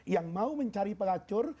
yang mau mencari pelacur